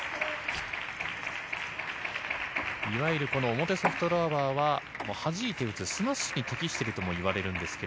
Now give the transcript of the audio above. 表ソフトラバーは、はじいて打つ、スマッシュに適しているとも言われています。